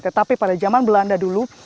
tetapi pada zaman belanda dulu